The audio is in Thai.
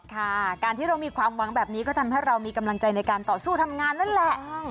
ค่ะการที่เรามีความหวังแบบนี้ก็ทำให้เรามีกำลังใจในการต่อสู้ทำงานนั่นแหละ